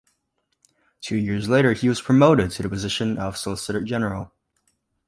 Two years later, he was promoted to the position of Solicitor-General.